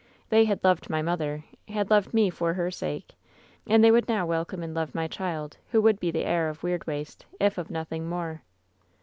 They had loved my mother, had loved me for her sake, and they would now welcome and love my child, who would be the heir of Weirdwaste, if of nothing more.